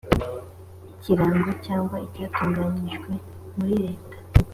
ikirango cyangwa icyatunganyijwe muri leta